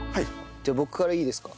じゃあ僕からいいですか？